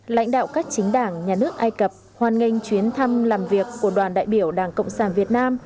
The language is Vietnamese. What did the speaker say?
lãnh đạo các chính đảng nhà nước ai cập hoàn nghênh chuyến thăm làm việc của đoàn đại biểu đảng cộng sản việt nam